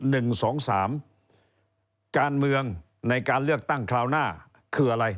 หนึ่งสองสามการเมืองในการเลือกตั้งคราวหน้าคืออะไร